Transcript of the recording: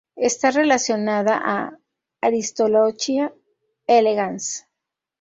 Está relacionada a "Aristolochia elegans".